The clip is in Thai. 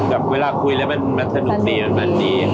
แบบเวลาคุยแล้วมันสนุกจริง